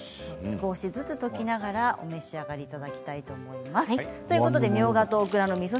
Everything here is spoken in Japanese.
少しずつ溶きながらお召し上がりいただきたいと思います。